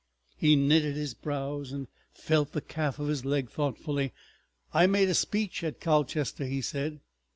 He knitted his brows and felt the calf of his leg thoughtfully. "I made a speech at Colchester," he said.